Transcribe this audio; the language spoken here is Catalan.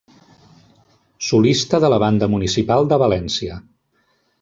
Solista de la Banda Municipal de València.